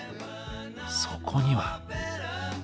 そこには。